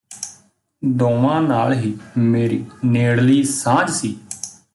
ਦੋਵਾਂ ਨਾਲ ਹੀ ਮੇਰੀ ਨੇੜਲੀ ਸਾਂਝ ਸੀ